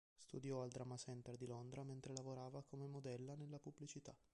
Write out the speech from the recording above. Studiò al "Drama Center" di Londra mentre lavorava come modella nella pubblicità.